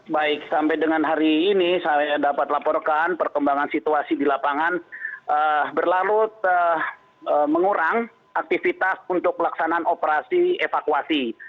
baik sampai dengan hari ini saya dapat laporkan perkembangan situasi di lapangan berlalu mengurang aktivitas untuk pelaksanaan operasi evakuasi